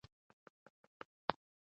موږ به بیا شنه او زرغون باغونه ولرو.